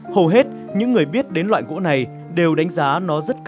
hầu hết những người biết đến loại gỗ này đều đánh giá nó rất cao